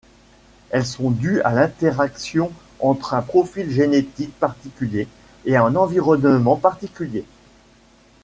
Elles sont dus à l'interaction entre un profil génétique particulier et un environnement particulier.